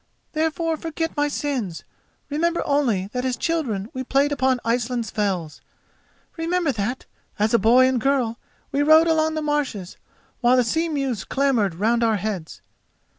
Therefore forget my sins, remember only that as children we played upon the Iceland fells. Remember that, as boy and girl, we rode along the marshes, while the sea mews clamoured round our heads.